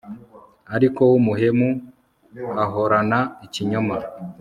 ariko uw'umuhemu ahorana ikinyoma